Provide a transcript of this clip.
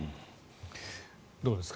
どうですか？